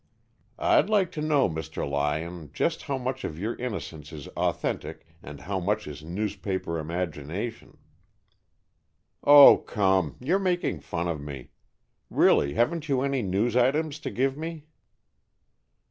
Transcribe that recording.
"I'd like to know, Mr. Lyon, just how much of your innocence is authentic and how much is newspaper imagination." "Oh, come, you're making fun of me. Really, haven't you any news items to give me?"